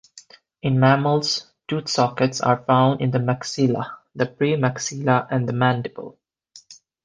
In mammals, tooth sockets are found in the maxilla, the premaxilla, and the mandible.